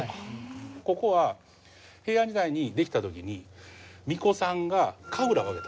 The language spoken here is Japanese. ここは平安時代にできた時に巫女さんが神楽を上げた。